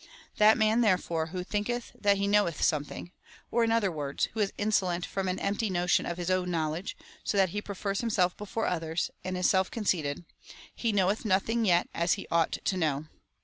That man, therefore, who thinketh that he knoweth something, or, in other words, who is insolent from an empty notion of his own knowledge, so that he prefers himself before others, and is self conceited, he knoweth nothing yet as he ought to know.